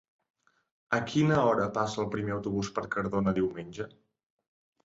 A quina hora passa el primer autobús per Cardona diumenge?